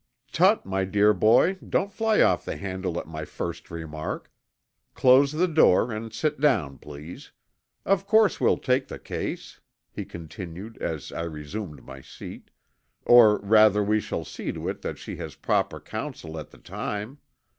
"Tut, my dear boy, don't fly off the handle at my first remark. Close the door and sit down, please. Of course we'll take the case," he continued as I resumed my seat, "or rather we shall see to it that she has proper counsel at the time.